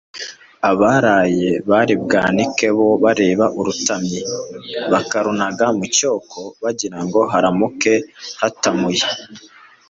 Abaraye bari bwanike bo bareba urutamyi bakarunaga mu cyoko, bagirango: Haramuke hatamuye